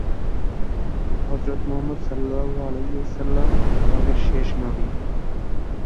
অনেকের মতে ডিজিটাল বিপ্লবের ফলে মানবজাতির ইতিহাসে তথ্য যুগের সূচনা হয়েছে।